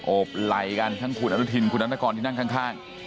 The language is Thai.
บไหล่กันทั้งคุณอนุทินคุณนัทนกรที่นั่งข้าง